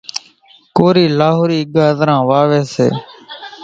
ڪورِي لاهورِي ڳازران واويَ سي۔